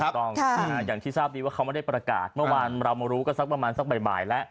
อย่างที่ทราบดีว่าเขาไม่ได้ประกาศเมื่อวานเรามารู้ก็สักประมาณสักบ่ายแล้ว